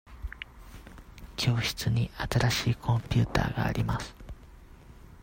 教室に新しいコンピューターがあります。